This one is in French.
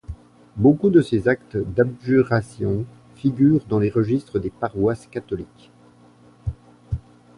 Beaucoup de ces actes d’abjuration figurent dans les registres des paroisses catholiques.